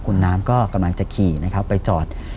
คุณน้ำก็กำลังจะขี่นะครับไปจอด